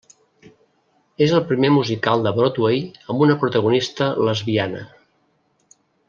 És el primer musical de Broadway amb una protagonista lesbiana.